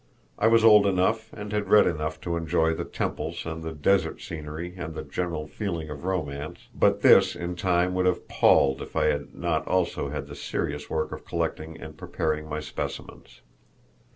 I was old enough and had read enough to enjoy the temples and the desert scenery and the general feeling of romance; but this in time would have palled if I had not also had the serious work of collecting and preparing my specimens.